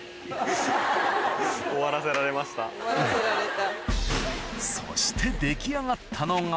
終わらせられた。